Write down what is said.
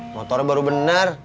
motornya baru bener